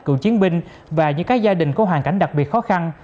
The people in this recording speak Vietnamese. cựu chiến binh và những các gia đình có hoàn cảnh đặc biệt khó khăn